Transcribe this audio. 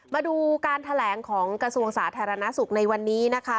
มาดูการแถลงของกระทรวงสาธารณสุขในวันนี้นะคะ